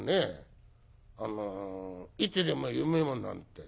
あの『いつでも夢を』なんて。